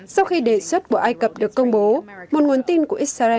sau khi đề xuất của ai cập được công bố một nguồn tin của xrn xác nhận rằng